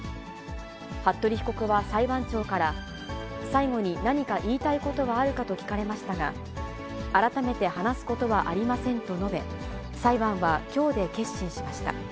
服部被告は裁判長から、最後に何か言いたいことはあるかと聞かれましたが、改めて話すことはありませんと述べ、裁判はきょうで結審しました。